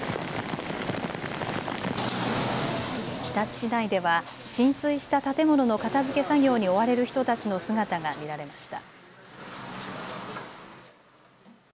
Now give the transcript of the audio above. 日立市内では浸水した建物の片づけ作業に追われる人たちの姿が見られました。